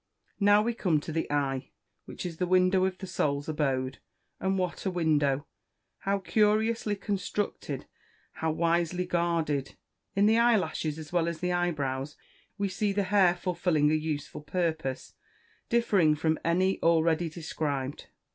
Now we come to the eye, which is the window of the Soul's abode. And what a window! how curiously constructed! how wisely guarded! In the eyelashes, as well as the eyebrows, we see the hair fulfilling a useful purpose, differing from any already described.